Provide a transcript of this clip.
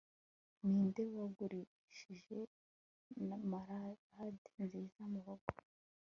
ninde wagurishije marmalade nziza murugo